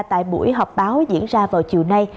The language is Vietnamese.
tại buổi họp báo diễn ra vào chiều nay